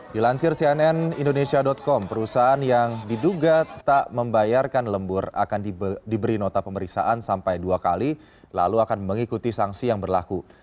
dilansir cnn indonesia com perusahaan yang diduga tak membayarkan lembur akan diberi nota pemeriksaan sampai dua kali lalu akan mengikuti sanksi yang berlaku